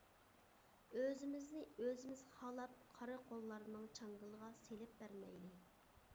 ئۆزىمىزنى ئۆزىمىز خالاپ قارا قوللارنىڭ چاڭگىلىغا سېلىپ بەرمەيلى!